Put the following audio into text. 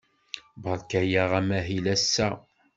Beṛka-aɣ amahil ass-a.